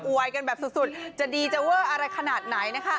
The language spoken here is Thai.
วยกันแบบสุดจะดีจะเวอร์อะไรขนาดไหนนะคะ